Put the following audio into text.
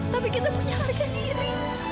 tapi kita punya harga diri